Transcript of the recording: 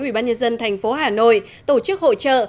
ubnd tp hà nội tổ chức hỗ trợ